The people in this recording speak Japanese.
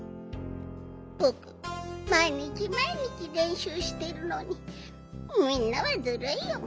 ぼくまいにちまいにちれんしゅうしてるのにみんなはずるいよ。